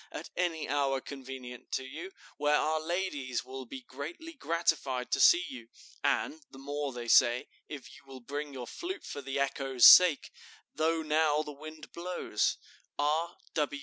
at any hour convenient to you, where our ladies will be greatly gratified to see you? and the more, they say, if you will bring your flute for the echo's sake, though now the wind blows. "R.